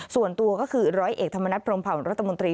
ส่วนตัวก็คือร้อยเอกธรรมนัฐพรมเผารัฐมนตรี